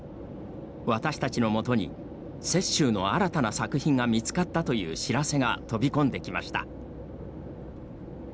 私たちのもとに雪舟の新たな作品が見つかったという知らせが飛び込んできました。